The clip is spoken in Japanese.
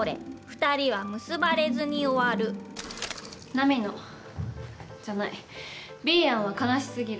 波のじゃないＢ案は悲しすぎる。